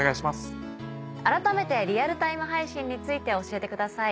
改めてリアルタイム配信について教えてください。